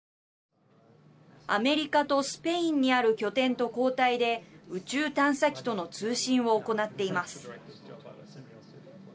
アメリカとスペインにある拠点と交代で宇宙探査機との通信を行っています。